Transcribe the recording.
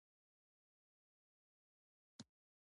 که چېرې زه سم پوه شوی یم تاسې ویل غواړی .